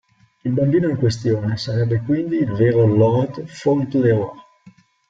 Il bambino in questione sarebbe quindi il vero Lord Fauntleroy.